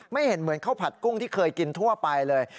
ไม่เห็นเหมือนข้าวผัดกุ้งที่เคยกินทั่วไปเลย